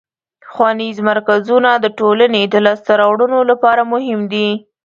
ښوونیز مرکزونه د ټولنې د لاسته راوړنو لپاره مهم دي.